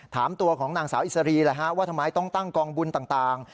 ถามตัวของนางสาวอิสรีว่าทำไมต้องตั้งกองบุญต่าง